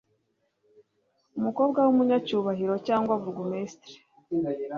umukobwa w'umunyacyubahiro cyangwa burugumesitiri